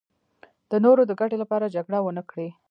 د نورو د ګټو لپاره جګړه ونکړي.